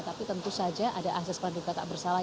tapi tentu saja ada akses penduduk yang tak bersalah